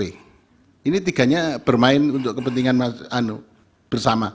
ini tiganya bermain untuk kepentingan bersama